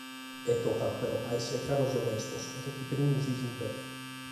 E tocat però a èssere craros e onestos sena chi perunu si suddet.